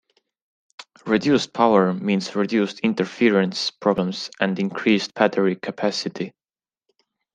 Reduced power means reduced interference problems and increased battery capacity.